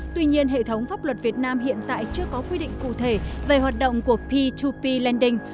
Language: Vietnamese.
tuy nhiên hệ thống pháp luật việt nam hiện tại chưa có quy định cụ thể về hoạt động của p hai p lending